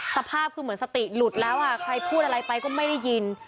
สภาพคือเหมือนสติหลุดแล้วใครพูดอะไรไปก็ไม่ได้ยิน